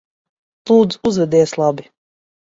Lūdzu, uzvedies labi.